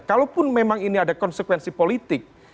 kalaupun memang ini ada konsekuensi politik